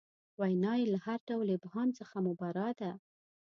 وینا یې له هر ډول ابهام څخه مبرا ده.